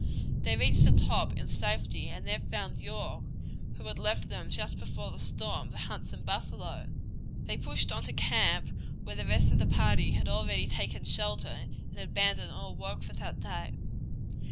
They reached the top in safety, and there found York, who had left them just before the storm to hunt some buffalo. They pushed on to camp where the rest of the party had already taken shelter, and had abandoned all work for that day.